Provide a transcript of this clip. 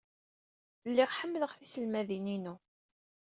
Lliɣ ḥemmleɣ tiselmadin-inu.